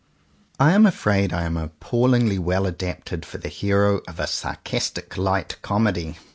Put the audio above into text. I am afraid I am appallingly well adapted for the hero of a sarcastic light comedy.